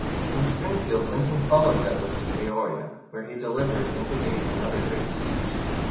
From Springfield Lincoln followed Douglas to Peoria, where he delivered, in debate, another great speech.